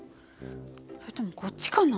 それともこっちかな？